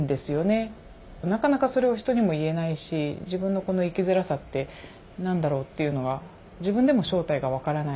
なかなかそれを人にも言えないし自分のこの生きづらさって何だろう？っていうのは自分でも正体が分からない。